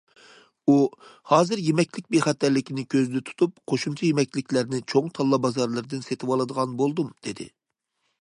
ئۇ: ھازىر يېمەكلىك بىخەتەرلىكىنى كۆزدە تۇتۇپ، قوشۇمچە يېمەكلىكلەرنى چوڭ تاللا بازارلىرىدىن سېتىۋالىدىغان بولدۇم، دېدى.